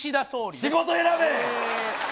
仕事選べ。